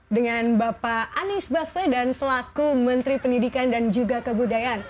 dengan bapak anies baswedan selaku menteri pendidikan dan juga kebudayaan